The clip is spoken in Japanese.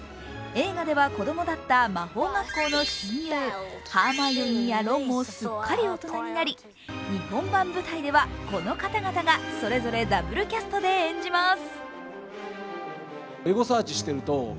映画では子供だった魔法学校の親友、ハーマイオニーやロンもすっかり大人になり日本版舞台ではこの方々がそれぞれダブルキャストで演じます。